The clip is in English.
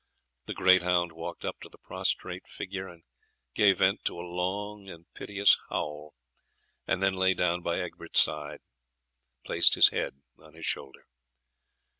The great hound walked up to the prostrate figure and gave vent to a long and piteous howl, and then lying down by Egbert's side placed his head on his shoulder.